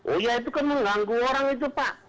oh iya itu kan mengganggu orang itu pak